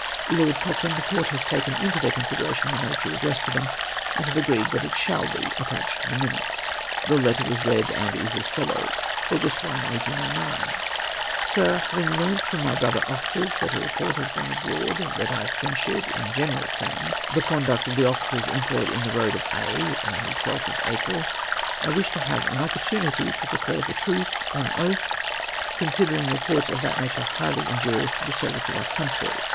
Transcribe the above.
—" Lord Cochrane, the Com t have taken into their consideration the note you addressed to them, and have ao; reed that it shall be attached to the Minutes." The letter was read, and is as follows :—" August 4, 1809. " Sir, — Having learnt from my brother officers that a report has gone abroad that I ceosured, in general terms, the conduct of the officers employed in the Eoad of Aix, on the 12th of Ajjril, I wish to have an opportunity to declare the truth on oatli ; considering reports of that nature highly injurious to the service of our country.